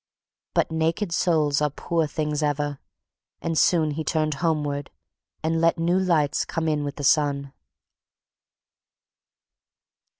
but naked souls are poor things ever, and soon he turned homeward and let new lights come in with the sun.